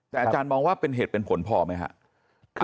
แต่อาจารย์มองว่าเป็นเหตุเป็นผลพอไหมครับ